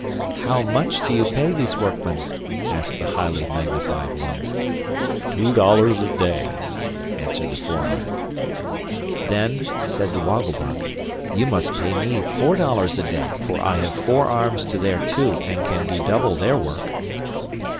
"How much do you pay these workmen?" asked the highly magnified one. "Two dollars a day," answered the foreman. "Then," said the Woggle Bug, "you must pay me four dollars a day; for I have four arms to their two, and can do double their work."